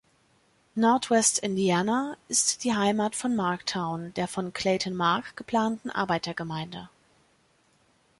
Nordwestindiana ist die Heimat von Marktown, der von Clayton Mark geplanten Arbeitergemeinde.